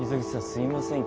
すいません